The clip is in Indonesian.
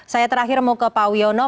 saya terakhir mau ke pak wiono